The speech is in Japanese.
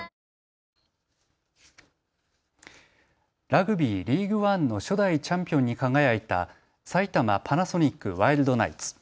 ラグビー、リーグワンの初代チャンピオンに輝いた埼玉パナソニックワイルドナイツ。